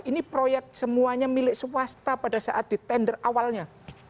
ini proyek semuanya milik swasta pada saat ditender awalnya